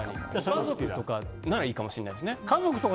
家族とかならいいかもしれないですね。